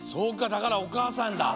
だからおかあさんだ。